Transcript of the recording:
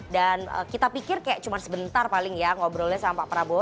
dan kita pikir kayak cuma sebentar paling ya ngobrolnya sama pak prabowo